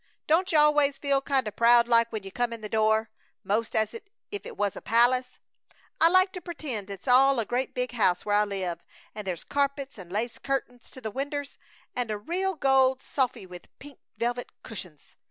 Don't you always feel kinda proud like when you come in the door, 'most as if it was a palace? I like to pertend it's all a great big house where I live, and there's carpets and lace curtings to the winders, and a real gold sofy with pink velvet cushings!